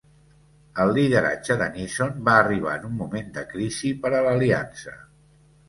El lideratge de Neeson va arribar en un moment de crisi per a l'Aliança.